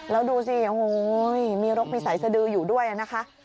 แล้วดูสิโอ้โหมีรกมีสายสดืออยู่ด้วยนะคะ